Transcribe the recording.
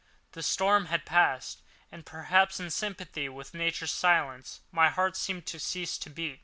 The storm had passed; and, perhaps in sympathy with nature's silence, my heart seemed to cease to beat.